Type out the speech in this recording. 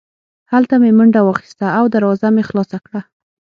هلته مې منډه واخیسته او دروازه مې خلاصه کړه